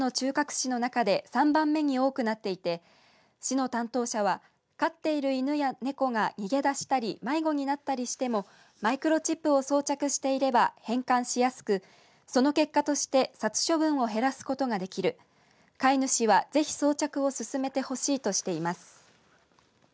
市の中で３番目に多くなっていて市の担当者は飼っている犬や猫が逃げ出したり迷子になったりしてもマイクロチップを装着していれば返還しやすくその結果として殺処分を減らすことができる飼い主はぜひ装着を進めてほしいとしています。